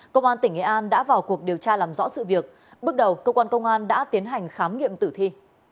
công an tỉnh nghệ an đã vào cuộc điều tra làm rõ sự việc bước đầu cơ quan công an đã tiến hành khám nghiệm tử thi